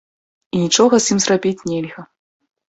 І нічога з ім зрабіць нельга.